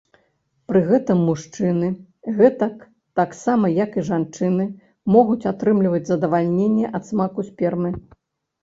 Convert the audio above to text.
Пры гэтым мужчыны, гэтак таксама як і жанчыны, могуць атрымліваць задавальненне ад смаку спермы.